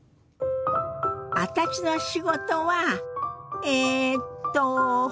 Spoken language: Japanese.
私の仕事はえっと